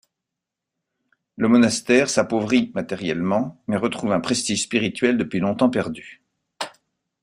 Le monastère s'appauvrit matériellement, mais retrouve un prestige spirituel depuis longtemps perdu.